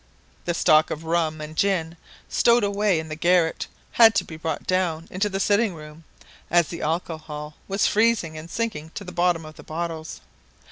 The stock of rum and gin stowed away in the garret had to be brought down into the sitting room, as the alcohol was freezing and sinking to the bottom of the bottles.